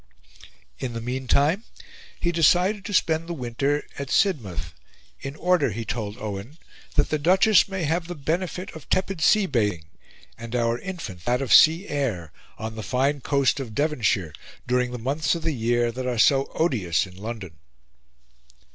In the meantime, he decided to spend the winter at Sidmouth, "in order," he told Owen, "that the Duchess may have the benefit of tepid sea bathing, and our infant that of sea air, on the fine coast of Devonshire, during the months of the year that are so odious in London."